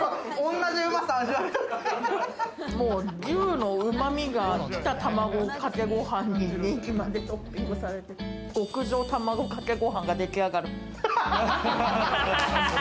牛のうまみがきた卵かけご飯に、ネギまでトッピングされて、極上卵かけご飯ができ上がる。